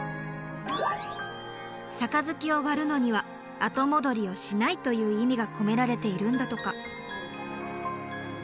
杯を割るのには「後戻りをしない」という意味が込められているんだとか。